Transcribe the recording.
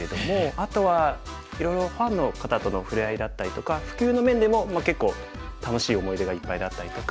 あとはいろいろファンの方との触れ合いだったりとか普及の面でも結構楽しい思い出がいっぱいだったりとか。